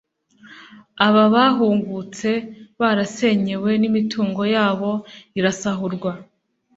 Aba bahungutse barasenyewe n’imitungo yabo irasahurwa